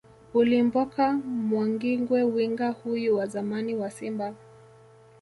Ulimboka Mwangingwe Winga huyu wa zamani wa Simba